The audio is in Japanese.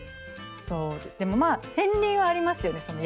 そうでもまあ片りんはありますよね。